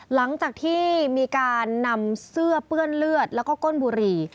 หลังจากที่มีการนำเสื้อเปื้อนเลือดแล้วก็ก้นบุหรี่